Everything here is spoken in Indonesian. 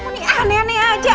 nih aneh aneh aja